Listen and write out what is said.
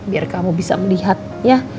biar kamu bisa melihat ya